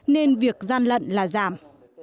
nên việc gian lận là giảm